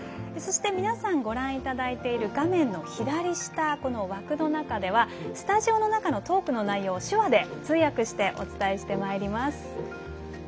そして皆さんご覧いただいている画面の左下この枠の中ではスタジオの中のトークの内容を手話で通訳して、お伝えしてまいります。